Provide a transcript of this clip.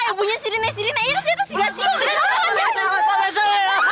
yang punya sirine sirine itu ternyata si glassio